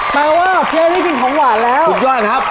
แปลว่าพี่ไอ้ไม่กินของหวานแล้วสุดยอดครับ